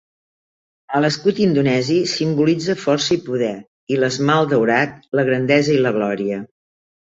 A l'escut indonesi simbolitza força i poder, i l'esmalt daurat, la grandesa i la glòria.